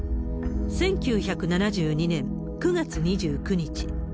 １９７２年９月２９日。